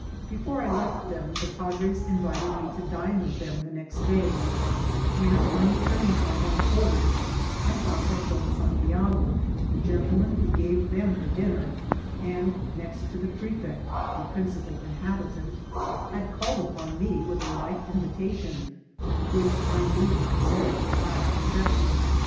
Before I left them the padres invited me to dine with them the next day, and on returning to my own quarters I found that Don Santiago, the gentleman who gave them the dinner, and, next to the prefect, the prin cipal inhabitant, had called upon me with a like invita tion, which I need not say I accepted.